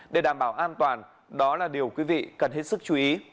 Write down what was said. để đảm bảo an toàn đó là điều quý vị cần hết sức chú ý